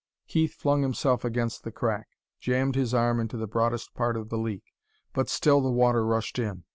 Keith flung himself against the crack, jammed his arm into the broadest part of the leak. But still the water rushed in.